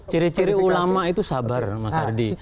ciri ciri ulama itu sabar mas ardi